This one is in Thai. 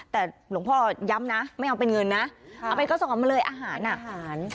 แต่หลวงพ่อย้ำนะไม่เอาเป็นเงินนะเอาไปกระสอบมาเลยอาหารอ่ะอาหาร